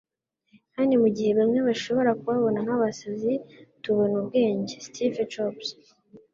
kandi mugihe bamwe bashobora kubabona nkabasazi, tubona ubwenge… ”- Steve Jobs